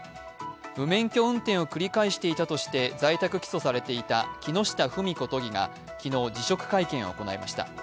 無免許運転を繰り返していたとして在宅起訴されていた木下富美子都議が昨日、辞職会見を行いました。